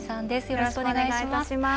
よろしくお願いします。